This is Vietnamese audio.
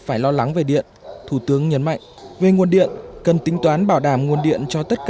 phải lo lắng về điện thủ tướng nhấn mạnh về nguồn điện cần tính toán bảo đảm nguồn điện cho tất